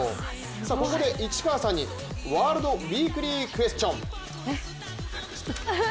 ここで市川さんにワールドウィークリークエスチョン。